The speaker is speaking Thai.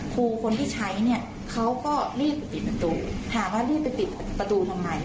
ครูคนที่ใช้เนี่ยเขาก็รีบปิดประตูถามว่ารีบไปปิดประตูทำไม